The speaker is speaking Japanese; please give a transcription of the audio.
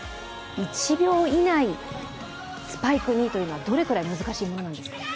１秒以内、スパイクというのはどのくらい難しいものなんですか？